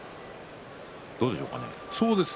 どうでしょうかね。